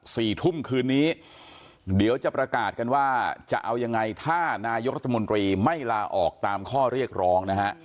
สี่ทุ่มคืนนี้เดี๋ยวจะประกาศกันว่าจะเอายังไงถ้านายกรัฐมนตรีไม่ลาออกตามข้อเรียกร้องนะฮะ